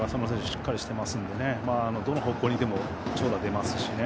しっかりしてますんでどの方向にも長打が出ますし。